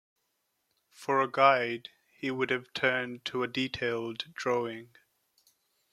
For a guide, he would have turned to a detailed drawing.